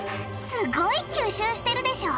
すごい吸収してるでしょ？